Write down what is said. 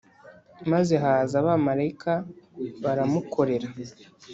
maze haza abamarayika baramukorera